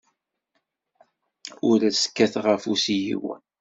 Ur as-kkateɣ afus i yiwen.